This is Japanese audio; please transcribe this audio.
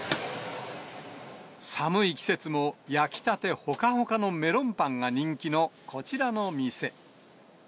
寒い季節も、焼きたてほかほかのメロンパンが人気のこちらの店。